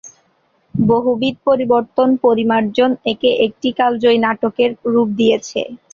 বহুবিধ পরিবর্তন, পরিমার্জন একে একটি কালজয়ী নাটকের রূপ দিয়েছে।